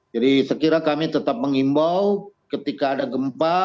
jadi saya kira kami tetap mengimbau ketika ada gempa